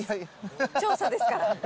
調査ですから。